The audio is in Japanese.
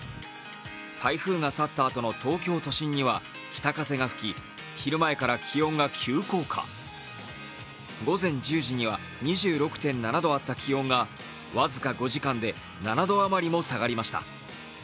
台風が去ったあとの東京都心には北風が吹き、昼前から気温が急降下午前１０時には、２６．７度あった気温が僅か５時間で７度余りも下がりました。